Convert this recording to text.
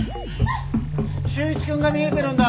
・修一くんが見えてるんだ。